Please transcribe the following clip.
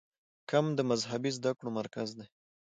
قم د مذهبي زده کړو مرکز دی.